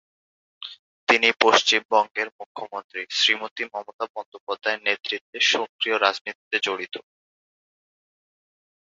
তিনি পশ্চিমবঙ্গের মুখ্যমন্ত্রী, শ্রীমতি মমতা বন্দ্যোপাধ্যায়ের নেতৃত্বে সক্রিয় রাজনীতিতে জড়িত।